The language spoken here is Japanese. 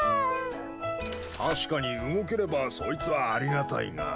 確かに動ければそいつはありがたいが。